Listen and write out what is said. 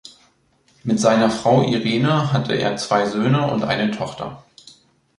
Mit seiner Frau Irene hatte er zwei Söhne und eine Tochter.